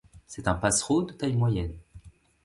C'est un passereau de taille moyenne.